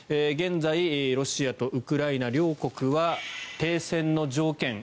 現在、ロシアとウクライナ両国は停戦の条件